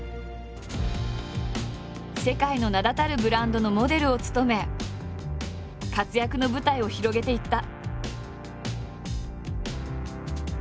世界の名だたるブランドのモデルを務め活躍の舞台を広げていった。